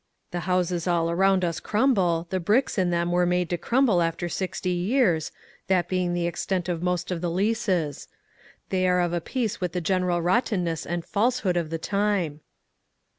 The houses all around us crumble, the bricks in them were made to crumble after sixty years, — that being the extent of most of the leases. They are of a piece with the general rottenness and falsehood of the time."